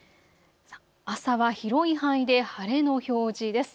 朝は広い範囲で晴れの表示です。